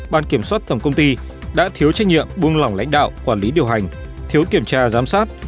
ban kiểm soát tổng công ty đã thiếu trách nhiệm buông lỏng lãnh đạo quản lý điều hành thiếu kiểm tra giám sát